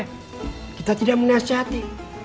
lalu kita dinasihati